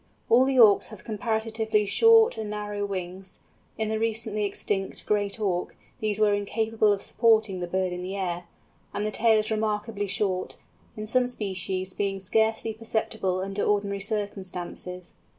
All the Auks have comparatively short and narrow wings; in the recently extinct Great Auk these were incapable of supporting the bird in the air; and the tail is remarkably short, in some species being scarcely perceptible under ordinary circumstances.